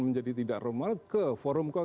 menjadi tidak normal ke forum